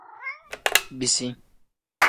Bisi.